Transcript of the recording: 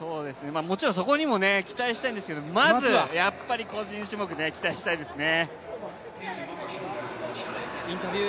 もちろん、そこにも期待したいんですけどまずはまず個人種目、期待したいですね。